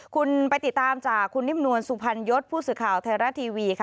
คุณไปติดตามจากคุณนิ่มนวลสุพรรณยศผู้สื่อข่าวไทยรัฐทีวีค่ะ